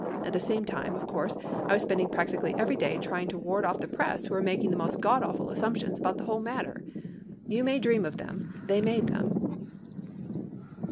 At the same time, of course, I was spending practically every day trying to ward off the press, who were making the most God awful assump tions about the whole matter. You dream of them, they made them.